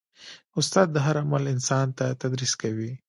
استاد د هر عمر انسان ته تدریس کوي.